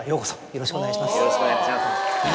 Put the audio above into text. よろしくお願いします。